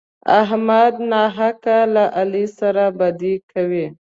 احمد ناحقه له علي سره بدي کوي.